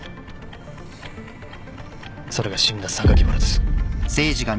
それが死んだ榊原です。